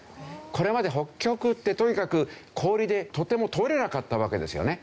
これまで北極ってとにかく氷でとても通れなかったわけですよね。